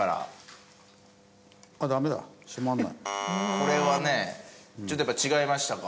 これはねちょっとやっぱ違いましたか。